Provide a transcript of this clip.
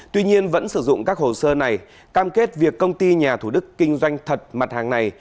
tuy nhiên vẫn sử dụng các hồ sơ này cam kết việc công ty nhà thủ đức kinh doanh thật mặt hàng này